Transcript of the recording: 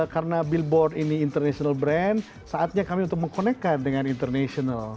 karena billboard ini international brand saatnya kami untuk mengkonekkan dengan international